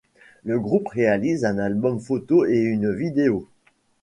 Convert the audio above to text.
Le groupe réalise un album photos et une vidéo.